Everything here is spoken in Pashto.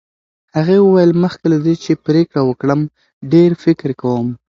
هغې وویل، مخکې له دې چې پرېکړه وکړم ډېر فکر کوم.